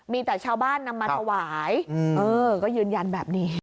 มีแต่ชาวบ้านนำมาถวายก็ยืนยันแบบนี้